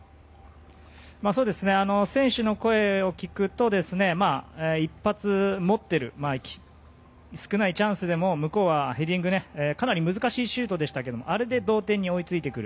選手の声を聞くと１発、持ってる少ないチャンスでも向こうはヘディングでかなり難しいシュートでしたけどもあれで同点に追い付いてくる。